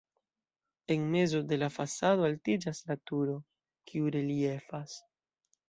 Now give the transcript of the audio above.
En mezo de la fasado altiĝas la turo, kiu reliefas.